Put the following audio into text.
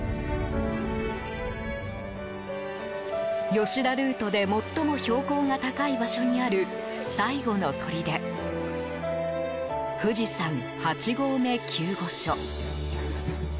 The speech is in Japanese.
吉田ルートで最も標高が高い場所にある最後のとりで富士山８合目救護所。